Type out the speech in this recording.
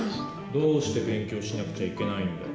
どうして勉強しなくちゃいけないんだよ。